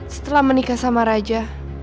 setelah menikah sama raja